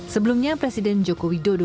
sebelumnya presiden jokowi dodo